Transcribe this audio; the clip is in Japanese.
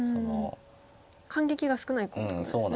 感激が少ないコウということですね。